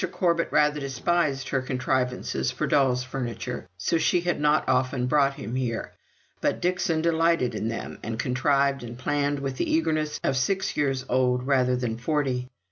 Corbet rather despised her contrivances for doll's furniture, so she had not often brought him here; but Dixon delighted in them, and contrived and planned with the eagerness of six years old rather than forty.